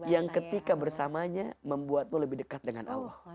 yang ketika bersamanya membuatmu lebih dekat dengan allah